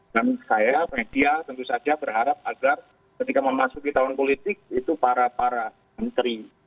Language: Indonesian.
dan saya media tentu saja berharap agar ketika memasuki tahun politik itu para para menteri